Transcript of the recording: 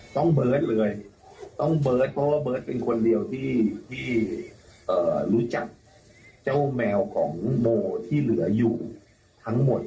เบิร์ตเลยต้องเบิร์ตเพราะว่าเบิร์ตเป็นคนเดียวที่รู้จักเจ้าแมวของโมที่เหลืออยู่ทั้งหมด